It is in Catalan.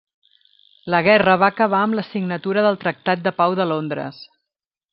La guerra va acabar amb la signatura del tractat de pau de Londres.